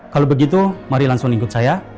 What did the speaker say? kalau begitu mari langsung ikut saya